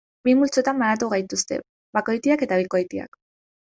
Bi multzotan banatu gaituzte: bakoitiak eta bikoitiak.